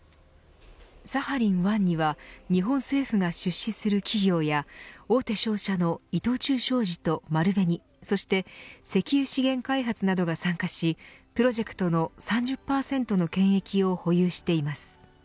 サハリン１には日本政府が出資する企業や大手商社の伊藤忠商事と丸紅そして石油資源開発などが参加しプロジェクトの３０％の権益を保有しています。